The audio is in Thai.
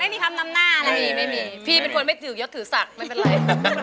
ไม่มีคำนำหน้านะมีไม่มีพี่เป็นคนไม่ถือยดถือศักดิ์ไม่เป็นไร